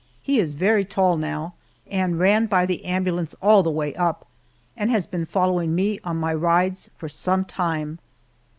He is very tall now, and ran by the ambulance all the way up, and has been following me on my rides for some time.